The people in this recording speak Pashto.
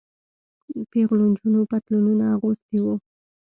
پيغلو نجونو پتلونونه اغوستي وو.